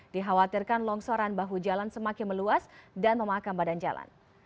dikhawatirkan longsoran bahu jalan semakin meluas dan memakam badan jalan